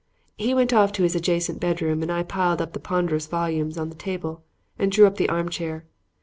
He went off to his adjacent bedroom and I piled up the ponderous volumes on the table and drew up the armchair.